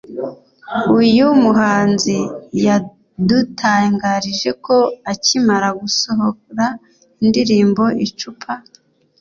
uyu muhanzi yadutangarije ko akimara gusohora indirimbo Icupa